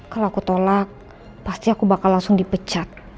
kalau aku tolak pasti aku bakal langsung dipecat